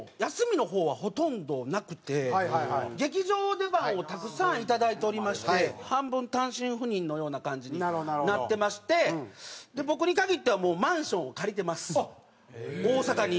劇場出番をたくさんいただいておりまして半分単身赴任のような感じになってまして僕に限ってはもうマンションを借りてます大阪に。